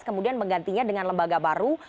kemudian menggantinya dengan lembaga baru